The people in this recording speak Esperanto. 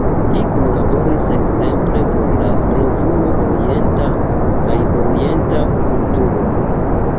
Li kunlaboris ekzemple por "La Revuo Orienta" kaj "Orienta Kulturo".